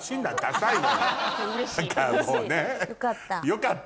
よかった。